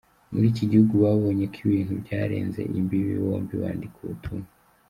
muri iki gihugu babonye ko ibintu byarenze imbibi, bombi banditse ubutumwa.